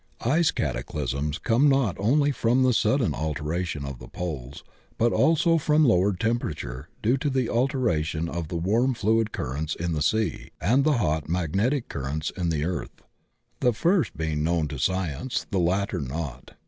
Ice cataclysms come on not only from the sudden alteration of the poles but also from lowered tempera ture due to the alteration of the warm fiuid ciuxents in the sea and the hot magnetic currents in the earth, the first being known to science, the latter not.